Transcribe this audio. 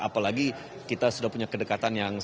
apalagi kita sudah punya kedekatan yang sangat